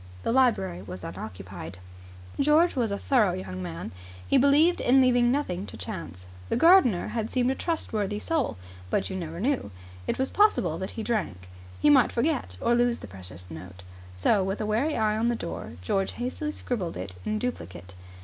The library was unoccupied. George was a thorough young man. He believed in leaving nothing to chance. The gardener had seemed a trustworthy soul, but you never knew. It was possible that he drank. He might forget or lose the precious note. So, with a wary eye on the door, George hastily scribbled it in duplicate.